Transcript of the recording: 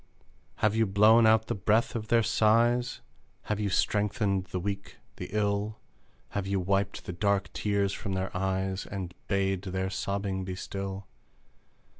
Have you blown out the breath of their sighs? Have you strengthened the weak, the ill? Have you wiped the dark tears from their eyes, And bade their sobbing be still?